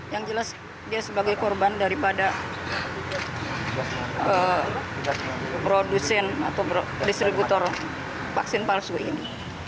yang jelas dia sebagai korban daripada produsen atau distributor vaksin palsu ini